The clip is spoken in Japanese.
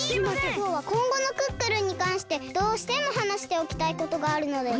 きょうはこんごのクックルンにかんしてどうしてもはなしておきたいことがあるのです。